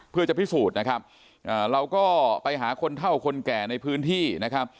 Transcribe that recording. เพื่อจะพิสูจน์นะครับเราก็ไปหาคนเท่าคนแก่ในพื้นที่นะครับ